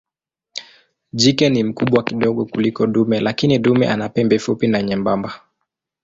Jike ni mkubwa kidogo kuliko dume lakini dume ana pembe fupi na nyembamba.